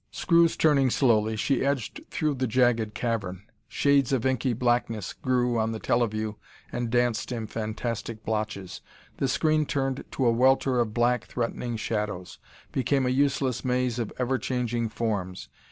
Screws turning slowly, she edged through the jagged cavern. Shades of inky blackness grew on the teleview and danced in fantastic blotches; the screen turned to a welter of black, threatening shadows; became a useless maze of ever changing forms.